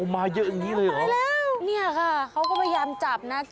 มาเยอะอย่างนี้เลยเหรอแล้วเนี่ยค่ะเขาก็พยายามจับนะ